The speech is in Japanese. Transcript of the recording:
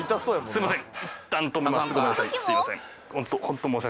すいません